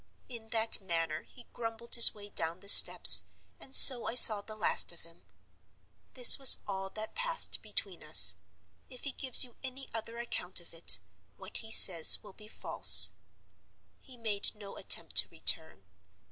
In that manner he grumbled his way down the steps, and so I saw the last of him. This was all that passed between us. If he gives you any other account of it, what he says will be false. He made no attempt to return.